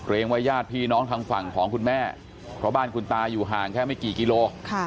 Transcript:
ว่าญาติพี่น้องทางฝั่งของคุณแม่เพราะบ้านคุณตาอยู่ห่างแค่ไม่กี่กิโล